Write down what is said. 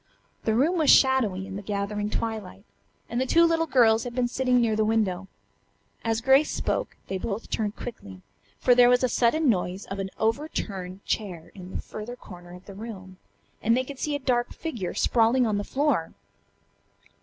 The room was shadowy in the gathering twilight, and the two little girls had been sitting near the window. As Grace spoke they both turned quickly, for there was a sudden noise of an overturned chair in the further corner of the room, and they could see a dark figure sprawling on the floor.